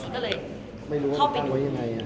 เดี๋ยวลองเมคดีลิ้น